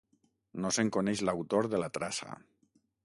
No se’n coneix l’autor de la traça.